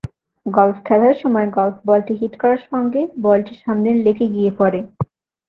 Golf খেলার সময় golf বলটি হিট করার সঙ্গে বলটি সামনের লেকে গিয়ে পড়ে।